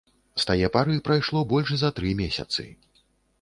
З тае пары прайшло больш за тры месяцы.